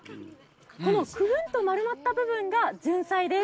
このくるんと丸まった部分がジュンサイです。